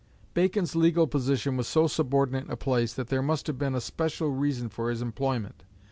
Bacon's legal position was so subordinate a place that there must have been a special reason for his employment.